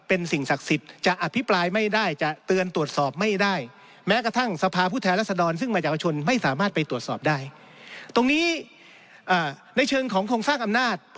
เป็นสิ่งศักดิ์สิทธิจะอธิปราย